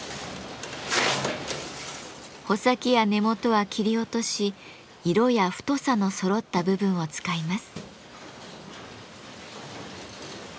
穂先や根元は切り落とし色や太さのそろった部分を使います。